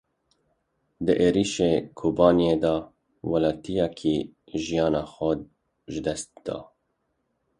Di êrişa Kobaniyê de welatiyekî jiyana xwe ji dest da.